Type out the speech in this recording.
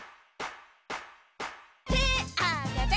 てあげて。